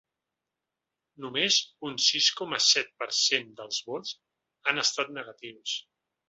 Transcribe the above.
Només un sis coma set per cent dels vots han estat negatius.